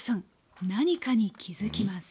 何かに気付きます